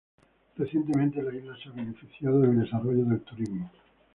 Recientemente la isla se ha beneficiado del desarrollo del turismo.